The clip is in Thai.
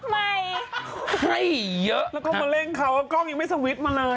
ไม่ให้เยอะแล้วก็มาเร่งเขาว่ากล้องยังไม่สวิตช์มาเลย